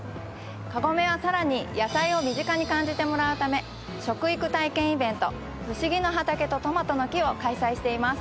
カゴメはさらに野菜を身近に感じてもらうため食育体験イベント「不思議の畑とトマトの樹」を開催しています。